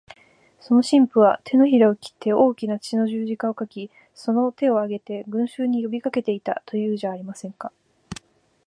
その神父は、てのひらを切って大きな血の十字架を書き、その手を上げて、群集に呼びかけていた、というじゃありませんか。